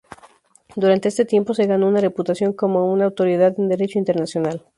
Durante este tiempo, se ganó una reputación como una autoridad en Derecho Internacional.